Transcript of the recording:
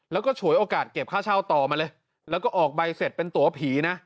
แล้วก็ฉวยโอกาสเก็บค่าเช่าต่อมาเลยแล้วก็ออกใบเสร็จเป็นตัวผีนะ